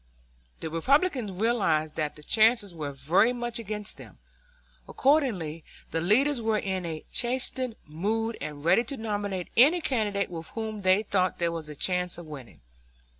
The Republicans realized that the chances were very much against them. Accordingly the leaders were in a chastened mood and ready to nominate any candidate with whom they thought there was a chance of winning.